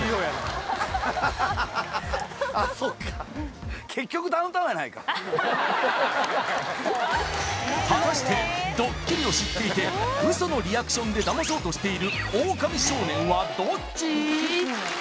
ハハハハあっそっかやないか果たしてドッキリを知っていてウソのリアクションでダマそうとしているオオカミ少年はどっち？